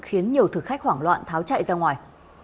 khiến nhiều thực khách hoảng loạn tháo chạy ra ngoài